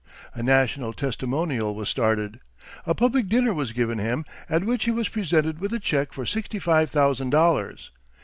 A national testimonial was started. A public dinner was given him, at which he was presented with a check for sixty five thousand dollars.